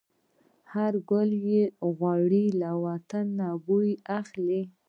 هر ګل چې غوړي، له وطن نه بوی اخلي